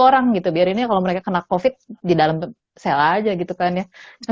dua puluh orang gitu biarin kalau mereka kena covid di dalam cell aja gitu kan ya